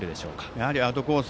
やはりアウトコース